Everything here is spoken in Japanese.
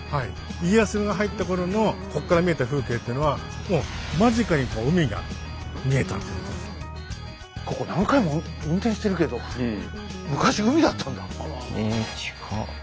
家康が入った頃のこっから見えた風景ってのはもうここ何回も運転してるけどえ近っ！